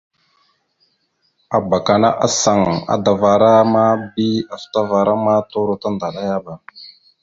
Abak ana asaŋ adavara ma bi afətavara ma turo tandaɗayaba.